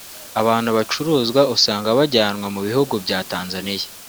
Abantu bacuruzwa usanga bajyanwa mu bihugu bya Tanzania